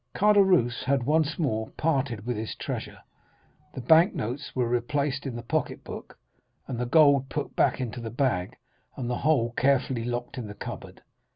Caderousse had once more parted with his treasure—the banknotes were replaced in the pocket book, the gold put back into the bag, and the whole carefully locked in the cupboard.